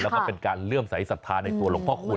แล้วก็เป็นการเลื่อมสายศรัทธาในตัวหลวงพ่อคุณ